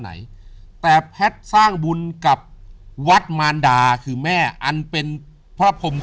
ไหนแต่แพทย์สร้างบุญกับวัดมารดาคือแม่อันเป็นพระพรม